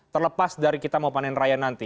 terlepas dari kita mau panen raya nanti